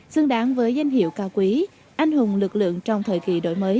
xứng đáng với danh hiệu cao quý anh hùng lực lượng trong thời kỳ